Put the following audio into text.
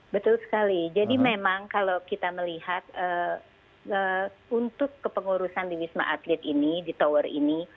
betul sekali jadi memang kalau kita melihat untuk kepengurusan di wisma atlet ini di tower ini